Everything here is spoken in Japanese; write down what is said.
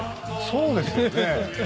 そうですよね。